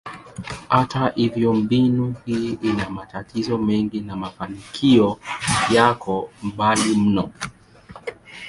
Hata hivyo, mbinu hii ina matatizo mengi na mafanikio yako mbali mno.